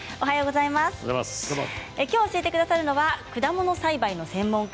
きょう教えてくださるのは果物栽培の専門家